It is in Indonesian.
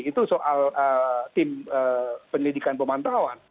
itu soal tim penyelidikan pemantauan